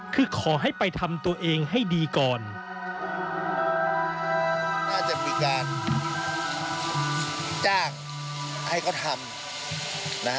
จะจ้างให้เขาทำ